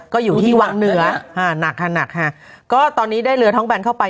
ก็อยู่ที่วังเหนือค่ะหนักค่ะหนักค่ะก็ตอนนี้ได้เรือท้องแบนเข้าไป